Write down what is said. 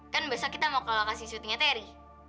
kan besok kita mau ke lokasi syutingnya terry